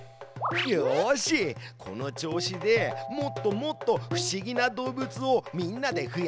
よしこの調子でもっともっと不思議な動物をみんなで増やしてあげようよ。